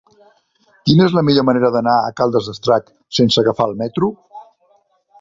Quina és la millor manera d'anar a Caldes d'Estrac sense agafar el metro?